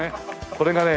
これがね